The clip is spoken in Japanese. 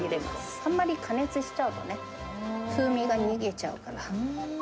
あんまり加熱しちゃうとね、風味が逃げちゃうから。